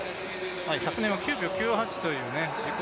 昨年９秒９８という自己